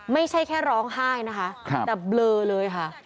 ไม่ใช่แค่ร้องไห้นะคะแต่เบลอเลยค่ะ